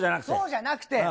そうじゃなくて？